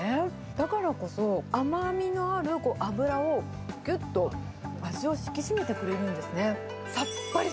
だからこそ、甘みのある脂を、ぎゅっと味を引き締めてくれるんですね。